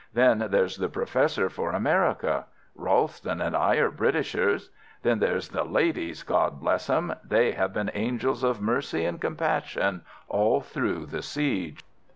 Then there's the Professor for America. Ralston and I are Britishers. Then there's the ladies, God bless 'em! They have been angels of mercy and compassion all through the siege.